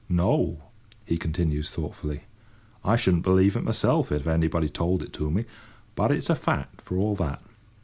"No," he continues thoughtfully; "I shouldn't believe it myself if anybody told it to me, but it's a fact, for all that.